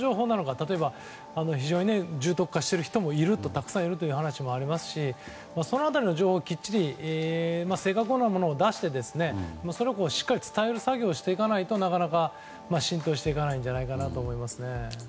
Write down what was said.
例えば、非常に重篤化している人もいるという話もありますしその辺りの情報をきっちり正確なものを出してそれをしっかりと伝える作業をしないと、なかなか浸透していかないんじゃないかと思います。